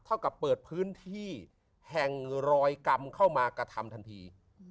กับเปิดพื้นที่แห่งรอยกรรมเข้ามากระทำทันที